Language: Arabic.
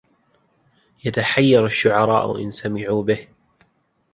يتحير الشعراء إن سمعوا به